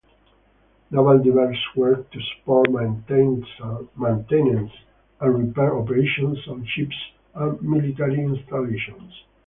Naval divers work to support maintenance and repair operations on ships and military installations.